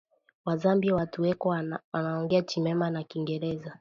Wa zambia watu weko naongea chibemba na kingereza